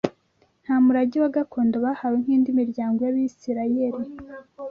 nta murage wa gakondo bahawe nk’indi miryango y’Abisirayeli